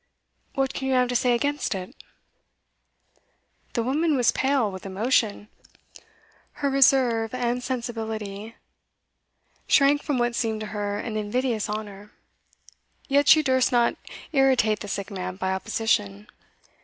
What can you have to say against it?' The woman was pale with emotion. Her reserve and sensibility shrank from what seemed to her an invidious honour, yet she durst not irritate the sick man by opposition.